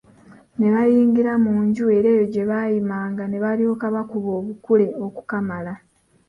Ne bayingira mu nju era eyo gye bayimanga ne balyoka bakuba obukule okukamala!